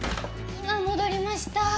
今戻りました。